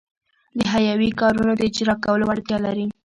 د حیوي کارونو د اجراکولو وړتیا لري.